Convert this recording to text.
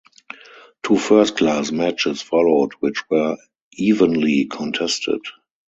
Two first-class matches followed which were evenly contested.